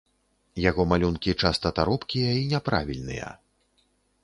Яго малюнкі часта таропкія і няправільныя.